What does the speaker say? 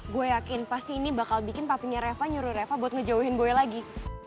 gue yakin pasti ini bakal bikin papinya reva nyuruh reva buat ngejauhin gue lagi